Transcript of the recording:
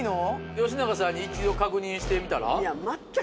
吉永さんに一応確認してみたら？